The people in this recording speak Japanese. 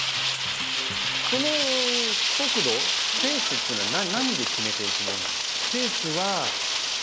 その速度ペースっていうのは何で決めていくものなんですか？